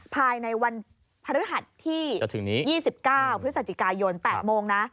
ภายในวันพฤหัสที่๒๙พฤศจิกายน๘โมงนะ